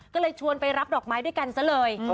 ก็เลยชวนไปรับดอกไม้ด้วยกันซะเลย